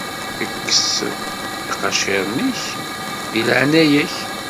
Kkes iqaciren-ik, deg leɛnaya-k.